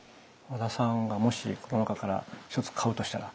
和田さんがもしこの中から１つ買うとしたら？